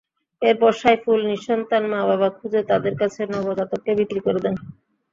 এরপর সাইফুল নিঃসন্তান মা-বাবা খুঁজে তাঁদের কাছে নবজাতককে বিক্রি করে দেন।